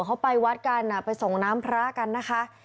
เขาไปวัดกันไปส่งน้ำพระกันนะคะ